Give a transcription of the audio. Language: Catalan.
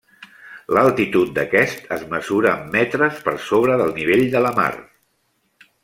L'altitud d'aquest es mesura en metres per sobre del nivell de la mar.